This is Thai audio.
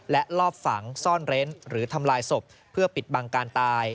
และลอบฝังซ่อนเร้นหรือทำลายศพเพื่อปิดบังการตาย